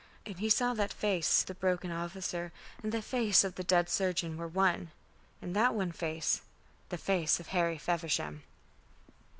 And he saw that the face of the broken officer and the face of the dead surgeon were one and that one face, the face of Harry Feversham.